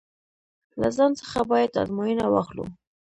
له ځان څخه باید ازموینه واخلو.